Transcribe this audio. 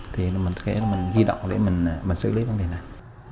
thì mình sẽ di động để xử lý vấn đề này